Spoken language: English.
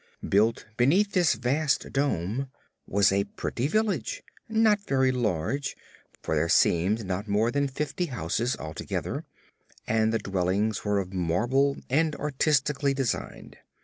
Built beneath this vast dome was a pretty village not very large, for there seemed not more than fifty houses altogether and the dwellings were of marble and artistically designed.